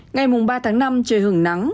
ngày mùa ba tháng năm trời hưởng nắng